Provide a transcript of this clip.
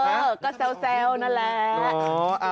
เออก็แซวนั่นแหละ